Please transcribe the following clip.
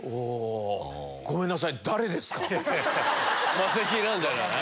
マセキなんじゃない？